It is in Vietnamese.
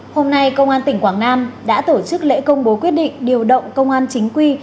hôm nay công an tỉnh quảng nam đã tổ chức lễ công bố quyết định điều động công an chính quy